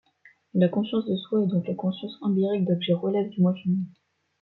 La conscience de soi et donc la conscience empirique d'objet relève du Moi fini.